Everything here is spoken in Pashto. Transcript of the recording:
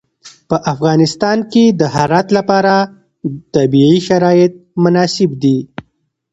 په افغانستان کې د هرات لپاره طبیعي شرایط مناسب دي.